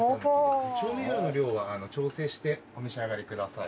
調味料の量は調整してお召し上がりください。